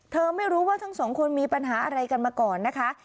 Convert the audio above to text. ไม่รู้ว่าทั้งสองคนมีปัญหาอะไรกันมาก่อนนะคะ